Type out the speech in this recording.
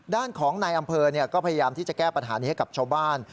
ด้านของนายอำเภอก็พยายามที่จะแก้ปัญหานี้ให้กับชาวบ้าน